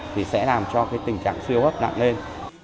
thì sẽ làm cho cái tình trạng siêu hấp nặng lên